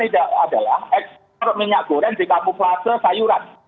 ini adalah ekstrak minyak goreng dikapuk lase sayuran